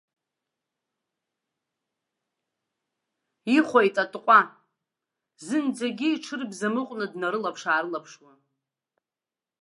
Ихәеит атҟәа, зынӡагьы иҽырбзамыҟәны днарылаԥш-аарылаԥшуа.